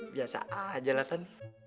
biasa aja lah tan